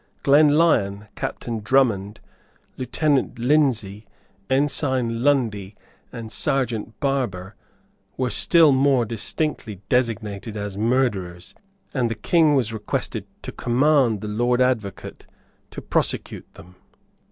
Glenlyon, Captain Drummond, Lieutenant Lindsey, Ensign Lundie, and Serjeant Barbour, were still more distinctly designated as murderers; and the King was requested to command the Lord Advocate to prosecute them.